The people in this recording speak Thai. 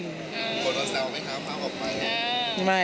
โทษนะแซวไหมคะพาเขาไป